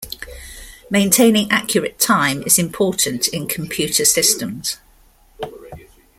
Maintaining accurate time is important in computer systems.